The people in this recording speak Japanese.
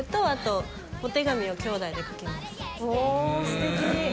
すてき。